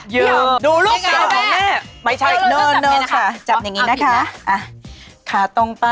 ยูดูลูกเกาค์ของแม่ไม่ใช่โนค่ะจับอย่างนี้นะคะ